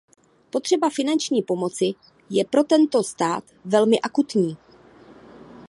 Potřeba finanční pomoci je pro tento stát velmi akutní.